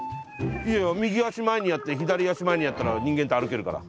いやいや右足前にやって左足前にやったら人間って歩けるから。